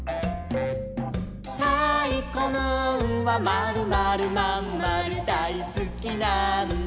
「たいこムーンはまるまるまんまるだいすきなんだ」